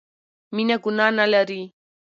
مينه ګناه نه لري